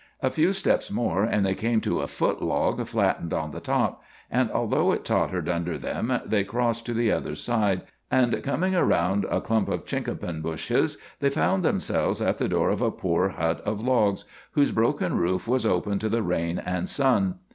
A few steps more and they came to a foot log flattened on the top; and, although it tottered under them, they crossed to the other side, and coming around a clump of chinkapin bushes, they found themselves at the door of a poor hut of logs, whose broken roof was open to the rain and sun.